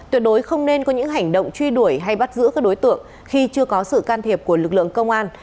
tuyệt đối không nên có những hành động truy đuổi hay bắt giữ các đối tượng khi chưa có sự can thiệp của lực lượng công an